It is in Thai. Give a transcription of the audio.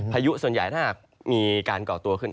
ยุส่วนใหญ่ถ้าหากมีการก่อตัวขึ้น